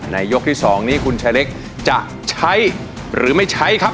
ยกที่๒นี้คุณชายเล็กจะใช้หรือไม่ใช้ครับ